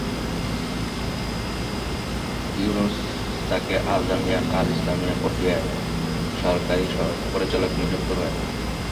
ইউনুস তাকে আল জামিয়া আল ইসলামিয়া পটিয়ার সহকারী পরিচালক নিযুক্ত করেন।